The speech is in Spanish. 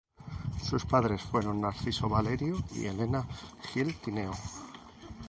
Sus padres fueron Narciso Valerio y Elena Gil Tineo.